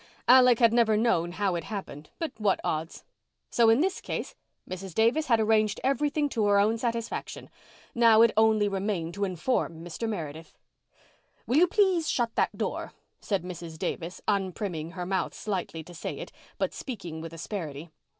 Alec had never known how it happened, but what odds? So in this case—Mrs. Davis had arranged everything to her own satisfaction. Now it only remained to inform Mr. Meredith. "Will you please shut that door?" said Mrs. Davis, unprimming her mouth slightly to say it, but speaking with asperity.